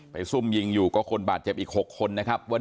ซุ่มยิงอยู่ก็คนบาดเจ็บอีก๖คนนะครับว่า